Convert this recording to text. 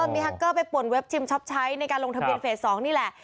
มีแฮคเกอร์ไปป่วนเว็บชิมช็อปใช้ในการลงทะเบียนเฟส๒นี่แหละ